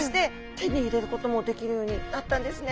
手に入れることもできるようになったんですね。